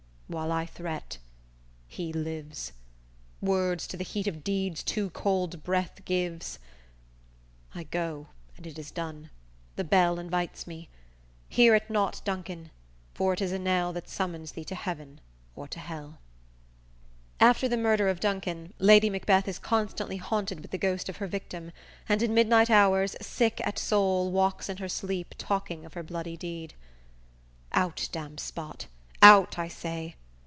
While I threat, he lives, Words to the heat of deeds too cold breath gives; I go and it is done; the bell invites me. Hear it not, Duncan; for it is a knell That summons thee to heaven or to hell!"_ After the murder of Duncan, Lady Macbeth is constantly haunted with the ghost of her victim, and in midnight hours, sick at soul, walks in her sleep, talking of her bloody deed: _"Out damned spot! out I say!